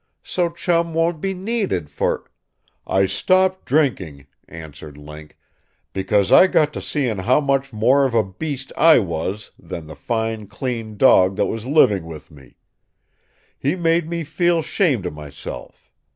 So Chum won't be needed for " "I stopped drinking," answered Link, "because I got to seeing how much more of a beast I was than the fine clean dog that was living with me. He made me feel 'shamed of myself.